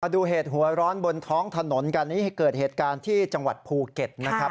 ดูเหตุหัวร้อนบนท้องถนนกันนี้ให้เกิดเหตุการณ์ที่จังหวัดภูเก็ตนะครับ